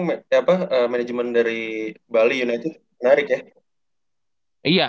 manajemen dari bali united menarik ya